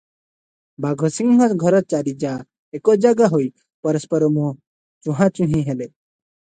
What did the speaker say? ବାଘସିଂହ ଘର ଚାରି ଯାଆ ଏକ ଜାଗାହୋଇ ପରସ୍ପର ମୁହଁ ଚୁହାଁଚୁହିଁ ହେଲେ ।